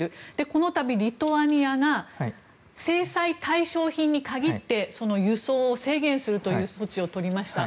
この度、リトアニアが制裁対象品に限って輸送を制限するという措置を取りました。